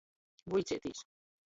Vuiceitīs.